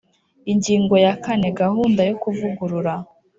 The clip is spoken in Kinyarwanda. Ingingo ya kane Gahunda yo kuvugurura